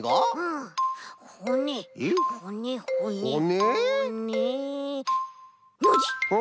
ほねノジ？